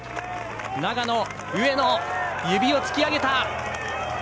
長野、上野指を突き上げた！